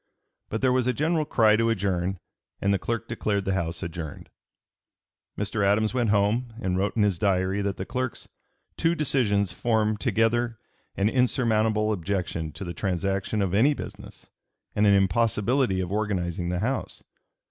But there was a general cry to adjourn, and the clerk declared the House adjourned. Mr. Adams went home and wrote in his Diary that (p. 292) the clerk's "two decisions form together an insurmountable objection to the transaction of any business, and an impossibility of organizing the House....